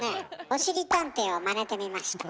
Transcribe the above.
「おしりたんてい」をまねてみました。